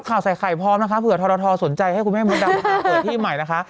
ข่าวใส่ไข่พร้อมนะคะเผื่อทรทอสนใจให้คุณแม่มดดำเปิดที่ใหม่นะคะ